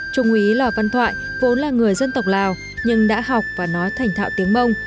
trung úy lò văn thoại vốn là người dân tộc lào nhưng đã học và nói thành thạo tiếng mông